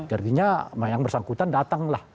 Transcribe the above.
artinya yang bersangkutan datanglah